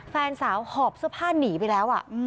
แฟนสาวหอบเสื้อผ้าหนีไปแล้ว